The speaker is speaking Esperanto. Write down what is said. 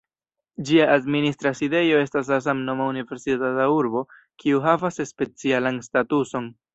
Ĝia administra sidejo estas la samnoma universitata urbo, kiu havas specialan statuson.